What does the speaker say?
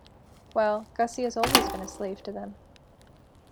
Well, Gussie has always been a slave to them.